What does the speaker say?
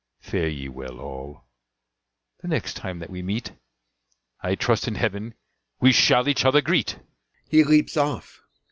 Fare ye well, all: the next time that we meet, I trust in heaven we shall each other greet. [He leaps off.